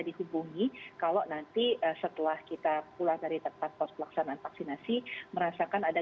dihubungi kalau nanti setelah kita pulang dari tempat pos pelaksanaan vaksinasi merasakan ada